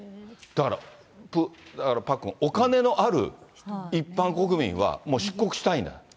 だからパックン、お金のある一般国民は、もう出国したいんだと。